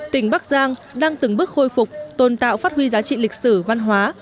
tỉnh bắc giang đang từng bước khôi phục tồn tạo phát huy giá trị lịch sử văn hóa